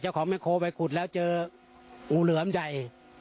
เจ้าของแม่โคไปขุดแล้วเจองูเหลือมใหญ่